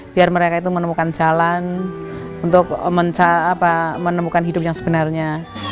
biar mereka itu menemukan jalan untuk menemukan hidup yang sebenarnya